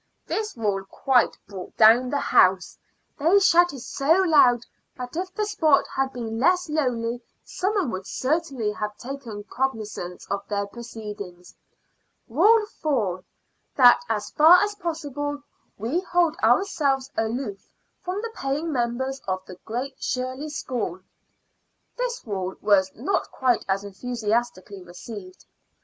This rule quite "brought down the house." They shouted so loud that if the spot had been less lonely some one would certainly have taken cognizance of their proceedings. "Rule Four. That as far as possible we hold ourselves aloof from the paying members of the Great Shirley School." This rule was not quite as enthusiastically received.